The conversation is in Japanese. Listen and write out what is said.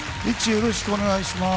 よろしくお願いします。